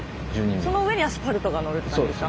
その上にアスファルトが載るって感じですか？